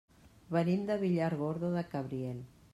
Venim de Villargordo del Cabriel.